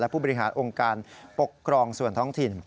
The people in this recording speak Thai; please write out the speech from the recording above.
ผู้บริหารองค์การปกครองส่วนท้องถิ่น